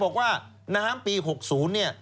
น้ำปี๖๐